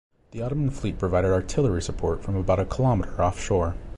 The Ottoman fleet provided artillery support, from about a kilometer off shore.